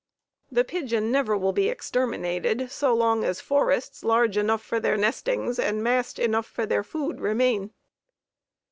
The pigeon never will be exterminated so long as forests large enough for their nestings and mast enough for their food remain.